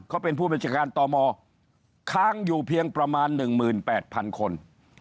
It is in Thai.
เขาเป็นผู้บัญชาการตมค้างอยู่เพียงประมาณ๑๘๐๐๐คน